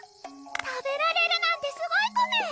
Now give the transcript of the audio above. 食べられるなんてすごいコメ！